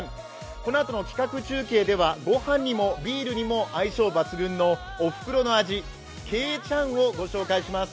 このあとの企画中継ではご飯にもビールにも相性抜群の、おふくろの味・けいちゃんをご紹介します。